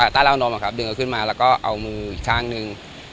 ดึงเขาขึ้นมาแล้วก็เอามืออีกข้างหนึ่ง